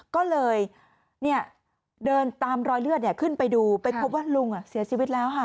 ก็เลยเดินตามรอยเลือดขึ้นไปดูไปพบว่าลุงเสียชีวิตแล้วค่ะ